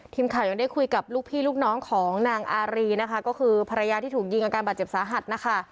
ทีมข่าวยังได้คุยกับลูกพี่ลูกน้องของนางอารีนะคะก็คือภรรยาที่ถูกยิงอาการบาดเจ็บสาหัสนะคะ